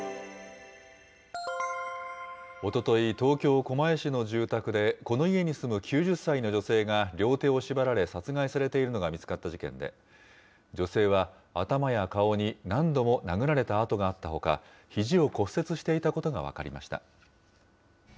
おととい、東京・狛江市の住宅で、この家に住む９０歳の女性が両手を縛られ、殺害されているのが見つかった事件で、女性は頭や顔に何度も殴られた痕があったほか、ひじを骨折していたことが分かりました。